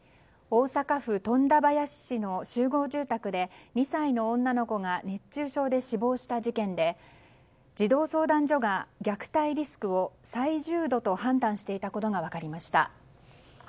大阪府富田林市の集合住宅で２歳の女の子が熱中症で死亡した事件で児童相談所が虐待リスクを最重度と判断していたことが分かりました。